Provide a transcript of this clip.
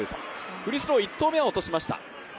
フリースロー１投目は落としました